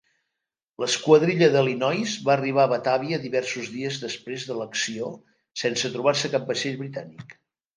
L'esquadrilla de Linois va arribar a Batavia diversos dies després de l'acció sense trobar-se cap vaixell britànic.